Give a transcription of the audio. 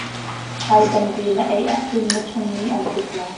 Hai tampi na ei ahcun na chung nih an tlik lai.